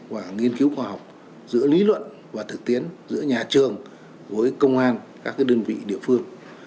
và nghiên cứu khoa học giữa lý luận và thực tiến giữa nhà trường với công an các đơn vị địa phương